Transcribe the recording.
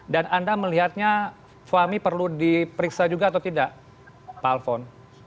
dan anda melihatnya fahmi perlu diperiksa juga atau tidak pak alphon